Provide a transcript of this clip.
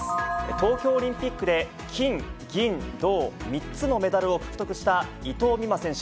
東京オリンピックで金銀銅、３つのメダルを獲得した伊藤美誠選手。